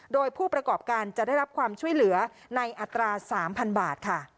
โดยผู้ประกอบการจะได้รับความช่วยเหลือในอัตรา๓๐๐บาทค่ะ